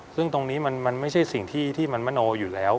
ซึ่งตรงนี้มันไม่ใช่สิ่งที่มันมโนอยู่แล้ว